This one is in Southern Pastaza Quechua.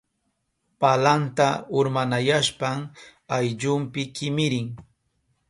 Palanta urmanayashpan ayllunpi kimirin.